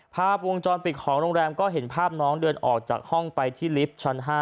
ภาพวงจรปิดของโรงแรมก็เห็นภาพน้องเดินออกจากห้องไปที่ลิฟต์ชั้น๕